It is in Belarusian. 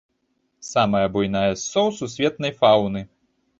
Самая буйная з соў сусветнай фаўны.